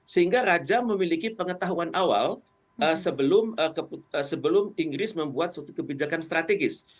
sehingga raja memiliki pengetahuan awal sebelum inggris membuat suatu kebijakan strategis